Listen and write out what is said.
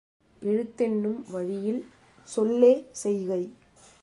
எழுத்தென்னும் வழியில் சொல்லே செய்கை.